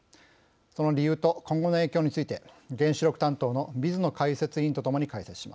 その理由と今後の影響について原子力担当の水野解説委員とともに解説します。